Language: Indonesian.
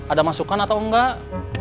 ada masukan atau enggak